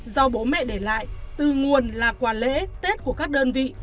do bố mẹ để lại từ nguồn là quà lễ tết của các đơn vị